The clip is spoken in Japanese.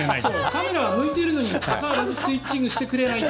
カメラが向いているにもかかわらずスイッチングしてくれない。